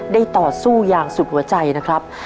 ต่อสู้อย่างสุดหัวใจนะครับ